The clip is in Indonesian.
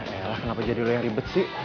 eh kenapa jadi lu yang ribet sih